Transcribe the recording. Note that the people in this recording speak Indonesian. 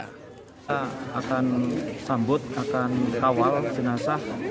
kita akan sambut akan kawal jenazah